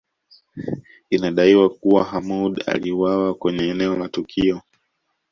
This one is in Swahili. Inadaiwa kuwa Hamoud aliuawa kwenye eneo la tukio